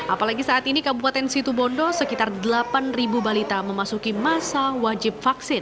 apalagi saat ini kabupaten situbondo sekitar delapan balita memasuki masa wajib vaksin